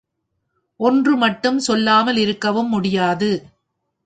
ஒன்று மட்டும் சொல்லாமல் இருக்கவும் முடியாது.